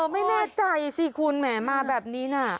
ไม่แน่ใจสิคุณแหมมาแบบนี้น่ะ